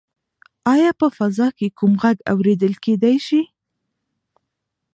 ایا په فضا کې کوم غږ اورېدل کیدی شي؟